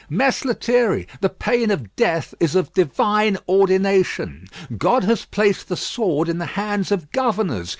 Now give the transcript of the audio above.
"Mess Lethierry, the pain of death is of divine ordination. God has placed the sword in the hands of governors.